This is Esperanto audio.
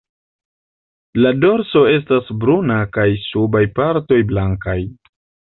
La dorso estas bruna kaj subaj partoj blankaj.